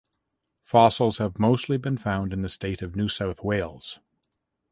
Fossils have mostly been found in the state of New South Wales.